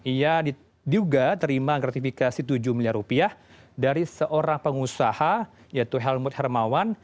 ia diduga terima gratifikasi tujuh miliar rupiah dari seorang pengusaha yaitu helmut hermawan